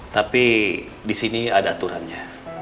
tapi disini ada aturannya